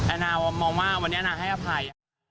แอนาว่าวันนี้แอนาให้อภัย